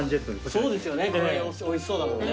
そうですよねこれおいしそうだもんね。